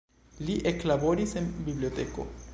Li eklaboris en biblioteko.